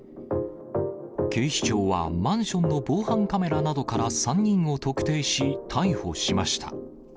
警視庁はマンションの防犯カメラなどから３人を特定し、逮捕しました。